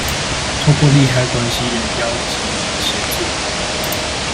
透過利害關係人邀集和協作